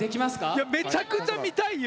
いやめちゃくちゃ見たいよ！